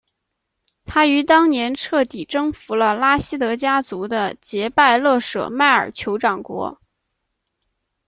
他于当年彻底征服了拉希德家族的杰拜勒舍迈尔酋长国。